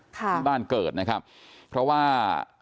ที่บ้านเกิดนะครับเพราะว่า